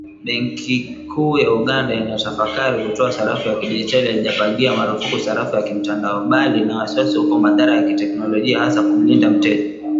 Benki kuu ya Uganda inatafakari kutoa sarafu ya kidigitali na haijapiga marufuku sarafu ya kimtandao, bali ina wasiwasi upo madhara ya kiteknolojia hasa kumlinda mteja.